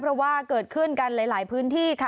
เพราะว่าเกิดขึ้นกันหลายพื้นที่ค่ะ